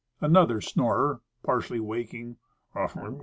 Another Snorer (partially waking).